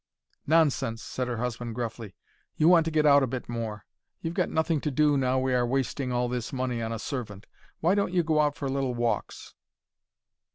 "Nonsense!" said her husband, gruffly. "You want to get out a bit more. You've got nothing to do now we are wasting all this money on a servant. Why don't you go out for little walks?"